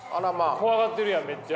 怖がっとるやんめっちゃ。